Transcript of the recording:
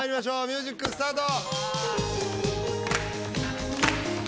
ミュージックスタート！